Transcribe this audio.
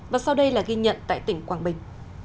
và sau đây là ghi nhận tại tỉnh quảng bình